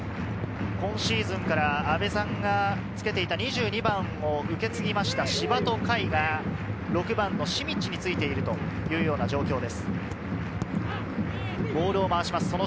今シーズンから阿部さんがつけていた２２番を受け継ぎました、柴戸海が６番のシミッチについているというような状況です。